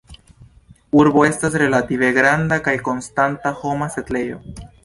Urbo estas relative granda kaj konstanta homa setlejo.